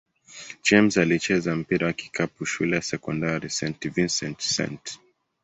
James alicheza mpira wa kikapu shule ya sekondari St. Vincent-St.